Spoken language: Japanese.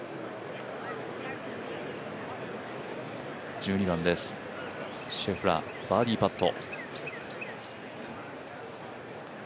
１２番です、シェフラーバーディーパット。